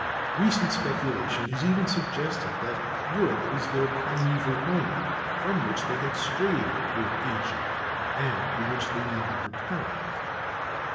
Recent speculation has even suggested that Europe was their primeval home, from which they had strayed toward Asia, and to which they now returned.